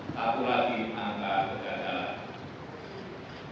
satu lagi angka kegagalan